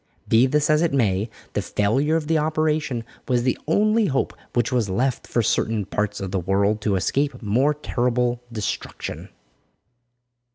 Be this as it may, the failure of the operation was the only hope which was left for certain parts of the world to escape more terrible destruction.